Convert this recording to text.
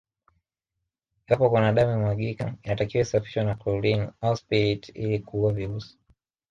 Iwapo kuna damu imemwagika inatakiwa isafishwe na chlorine au spirit ili kuua virusi